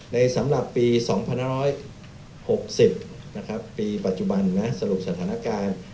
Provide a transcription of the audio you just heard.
สำหรับปี๒๕๖๐ปีปัจจุบันสรุปสถานการณ์